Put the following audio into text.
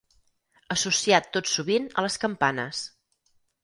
Associat tot sovint a les campanes.